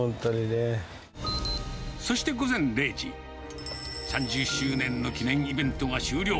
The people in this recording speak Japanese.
そして午前０時、３０周年の記念イベントが終了。